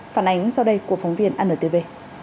phản ánh sau đây của phóng viên anntv